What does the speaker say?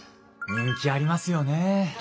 人気ありますよね。